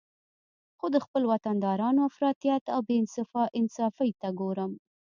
خو د خپل وطندارانو افراطیت او بې انصافي ته ګورم